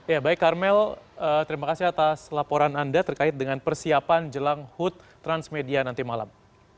ya baik karmel terima kasih atas laporan anda terkait dengan persiapan jelang hut transmedia nanti malam